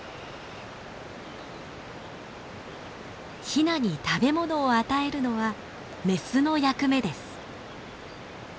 ヒナに食べ物を与えるのはメスの役目です。